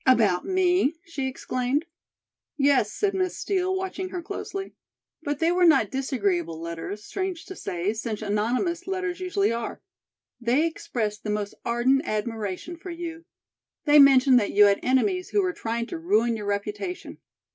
"About me?" she exclaimed. "Yes," said Miss Steel, watching her closely. "But they were not disagreeable letters, strange to say, since anonymous letters usually are. They expressed the most ardent admiration for you. They mentioned that you had enemies who were trying to ruin your reputation."